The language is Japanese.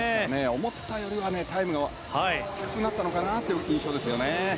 思ったよりはタイムが伸びなかったのかなという印象ですね。